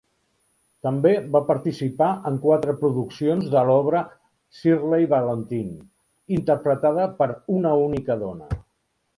També va participar en quatre produccions de l'obra "Shirley Valentine", interpretada per una única dona.